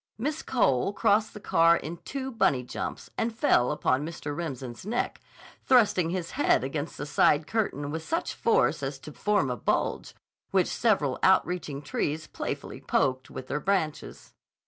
Miss Cole crossed the car in two bunny jumps and fell upon Mr. Remsen's neck, thrusting his head against the side curtain with such force as to form a bulge, which several outreaching trees playfully poked with their branches.